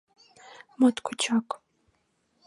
— Моткочак!